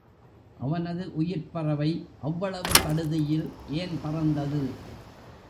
அவனது உயிர்ப் பறவை அவ்வளவு சடுதியில் ஏன் பறந்தது?